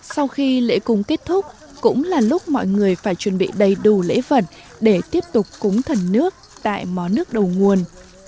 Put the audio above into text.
sau khi lễ cúng kết thúc cũng là lúc mọi người phải chuẩn bị đầy đủ lễ vật để tiếp tục cúng thần nước tại mó nước đầu nguồn